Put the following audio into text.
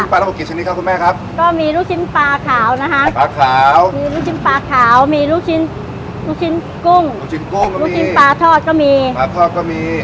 ก็มีลูกชิ้นปลาขาวนะครับมีลูกชิ้นปลาขาวมีลูกชิ้นลูกชิ้นกุ้งลูกชิ้นปลาทอดก็มี